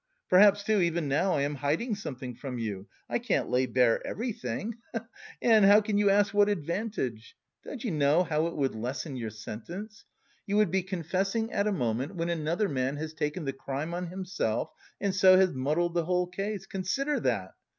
Perhaps, too, even now I am hiding something from you? I can't lay bare everything, he he! And how can you ask what advantage? Don't you know how it would lessen your sentence? You would be confessing at a moment when another man has taken the crime on himself and so has muddled the whole case. Consider that!